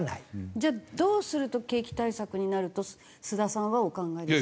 じゃあどうすると景気対策になると須田さんはお考えですか？